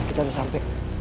kita udah sampe